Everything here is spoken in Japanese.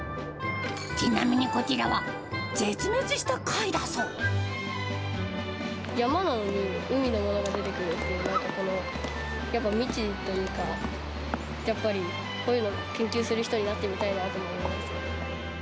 ちなみにこちらは、絶滅した貝だ山なのに海のものが出てくるっていうのが、ここの、やっぱ未知というか、やっぱりこういうのを研究する人になってみたいなと思います。